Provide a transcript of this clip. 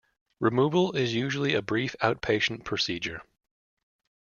Removal is usually a brief outpatient procedure.